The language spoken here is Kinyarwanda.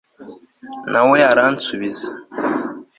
na we aransubiza